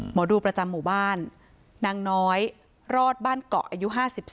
หมอดูประจำหมู่บ้านนางน้อยรอดบ้านเกาะอายุ๕๒